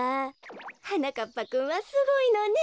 はなかっぱくんはすごいのね。